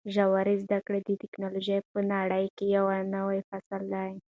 ژوره زده کړه د ټکنالوژۍ په نړۍ کې یو نوی فصل دی.